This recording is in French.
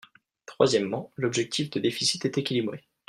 Troisièmement, l’objectif de déficit est équilibré.